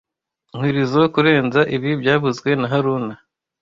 Nkwirizoe kurenza ibi byavuzwe na haruna